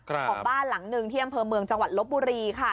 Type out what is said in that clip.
ของบ้านหลังหนึ่งที่อำเภอเมืองจังหวัดลบบุรีค่ะ